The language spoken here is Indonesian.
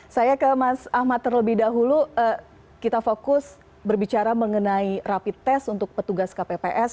saya ke mas ahmad terlebih dahulu kita fokus berbicara mengenai rapid test untuk petugas kpps